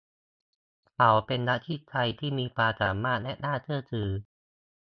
เขาเป็นนักวิจัยที่มีความสามารถและน่าเชื่อถือ